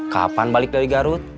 kapan balik dari garut